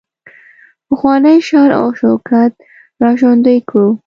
پخوانی شان او شوکت را ژوندی کړو.